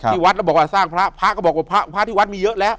ที่วัดแล้วบอกว่าสร้างพระพระก็บอกว่าพระพระที่วัดมีเยอะแล้ว